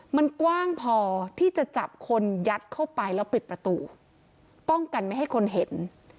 มันกว้างพอที่จะจับคนยัดเข้าไปแล้วปิดประตูป้องกันไม่ให้คนเห็น